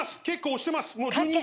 結構押してます。